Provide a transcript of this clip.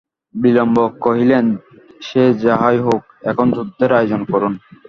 বিল্বন কহিলেন, সে যাহাই হউক, এখন যুদ্ধের আয়োজন করুন।